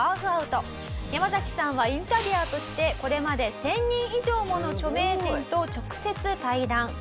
ヤマザキさんはインタビュアーとしてこれまで１０００人以上もの著名人と直接対談。